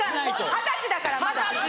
二十歳だからまだ。